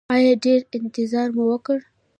ایا ډیر انتظار مو وکړ؟